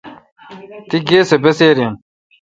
تی گاے سہ بسیر°این۔